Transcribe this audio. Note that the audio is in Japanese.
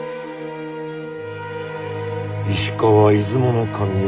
石川出雲守吉